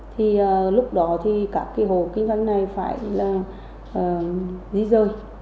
thì lúc đó thì cả hồ kinh doanh này phải dí rơi